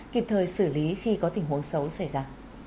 kịp thời xử lý khi có tình huống xấu xảy ra